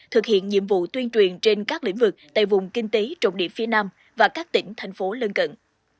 thực hiện nhiệm vụ tuyên truyền trên các lĩnh vực tại vùng kinh tế trọng điểm phía nam và các tỉnh thành phố lân cận